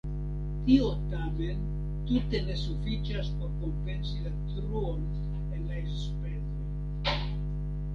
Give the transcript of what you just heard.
Tio tamen tute ne sufiĉas por kompensi la truon en la enspezoj.